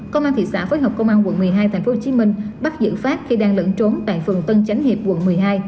công an thị xã phối hợp công an quận một mươi hai tp hcm bắt giữ phát khi đang lẫn trốn tại phường tân chánh hiệp quận một mươi hai